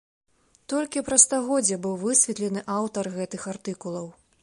Толькі праз стагоддзе быў высветлены аўтар гэтых артыкулаў.